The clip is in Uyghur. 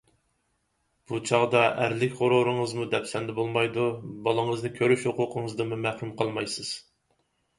بۇ چاغدا ئەرلىك غۇرۇرىڭىزمۇ دەپسەندە بولمايدۇ، بالىڭىزنى كۆرۈش ھوقۇقىڭىزدىنمۇ مەھرۇم قالمايسىز.